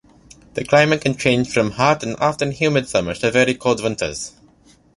The climate can range from hot and often humid summers to very cold winters.